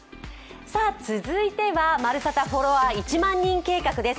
続いては「＃まるサタ！フォロワー１００００人計画」です。